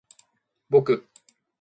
ぼく